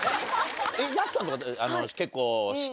安さんとか結構。